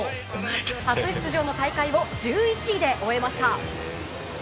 初出場の大会を１１位で終えました。